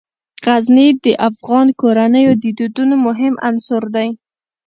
غزني د افغان کورنیو د دودونو مهم عنصر دی.